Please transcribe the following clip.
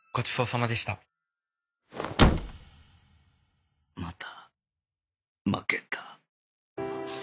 また負けた